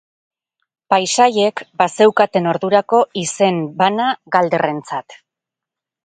Paisaiek bazeukaten ordurako izen bana Galderrentzat.